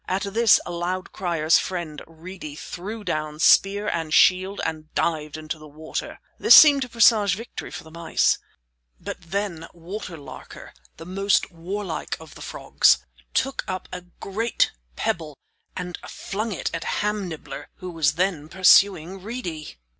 At this Loud Crier's friend, Reedy, threw down spear and shield and dived into the water. This seemed to presage victory for the mice. But then Water Larker, the most warlike of the frogs, took up a great pebble and flung it at Ham Nibbler who was then pursuing Reedy.